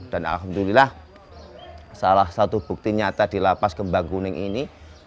dan alhamdulillah salah satu bukti nyata di lapas kembang kuning ini